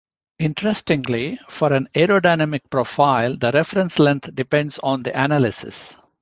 Interestingly, for an aerodynamic profile the reference length depends on the analysis.